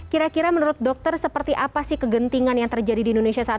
kira kira menurut dokter seperti apa sih kegentingan yang terjadi di indonesia saat ini